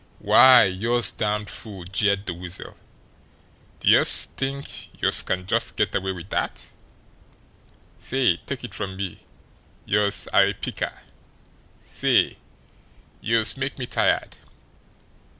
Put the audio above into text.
"Why, youse damned fool," jeered the Weasel, "d'youse t'ink youse can get away wid dat! Say, take it from me, youse are a piker! Say, youse make me tired.